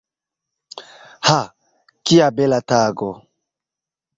Ha, kia bela tago!